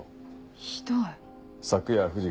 ひどい。